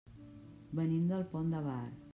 Venim del Pont de Bar.